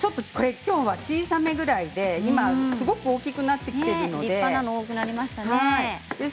きょうは小さいぐらいで今はすごく大きくなってきています。